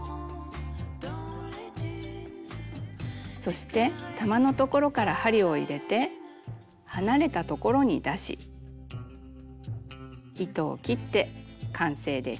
そして玉のところから針を入れて離れたところに出し糸を切って完成です。